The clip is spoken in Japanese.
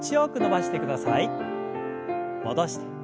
戻して。